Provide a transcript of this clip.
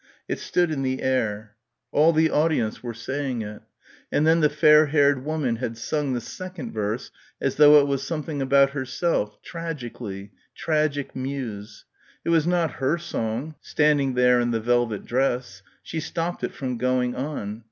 It stood in the air. All the audience were saying it. And then the fair haired woman had sung the second verse as though it was something about herself tragically ... tragic muse.... It was not her song, standing there in the velvet dress.... She stopped it from going on.